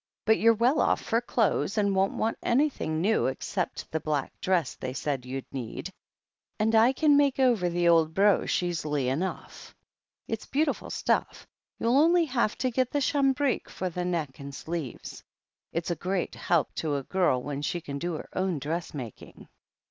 "But you're well off for clothes, and won't want anything new except the black dress they said you'd need, and I can make over the old broche easily enough. It's beautiful stuff — ^you'll only have to get the cambric for the neck and sleeves. It's a great help to a girl when she can do her own dressmaking."